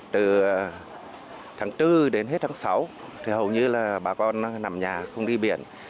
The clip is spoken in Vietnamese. từ tháng bốn đến hết tháng sáu hầu như là bà con nằm nhà không đi biển